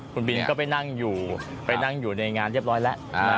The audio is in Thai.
คุณบินก็ไปนั่งอยู่ในงานเรียบร้อยละ